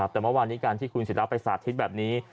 แต่วันนี้การที่สีราไปสาธิตแบบนี้